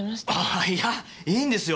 あいやいいんですよ。